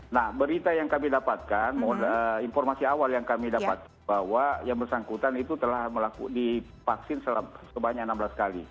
nah berita yang kami dapatkan informasi awal yang kami dapat bahwa yang bersangkutan itu telah melakukan sebanyak enam belas kali